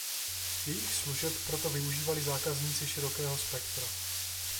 Jejich služeb proto využívali zákazníci širokého spektra.